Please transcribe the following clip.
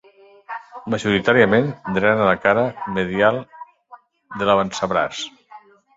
Majoritàriament, drenen la cara medial de l'avantbraç.